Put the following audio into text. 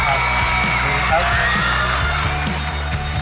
อ่าน